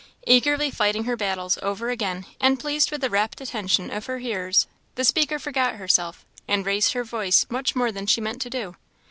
Eagerly fighting her battles over again, and pleased with the rapt attention of her hearers, the speaker forgot herself, and raised her voice much more than she meant to do.